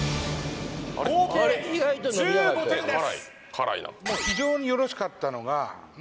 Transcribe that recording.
合計１５点です